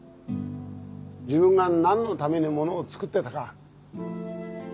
自分が何のためにものを作ってたか。